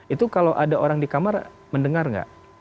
itu kalau ada orang di kamar mendengar nggak